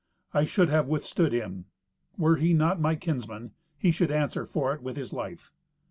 I should have withstood him. Were he not my kinsman, he should answer for it with his life."